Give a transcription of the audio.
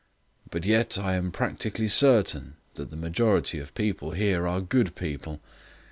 But yet I am practically certain that the majority of people here are good people.